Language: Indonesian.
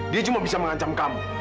dia cuma bisa mengancam kamu